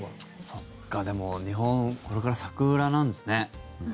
そっか、でも日本これから桜なんですね。ね。